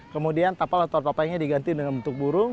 kemudian tapal atau apa apainya diganti dengan bentuk burung